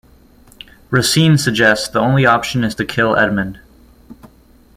Racine suggests the only option is to kill Edmund.